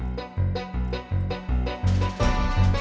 nang pesawatnya tidak agak kepotong